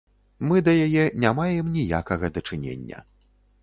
Мы да яе не маем ніякага дачынення.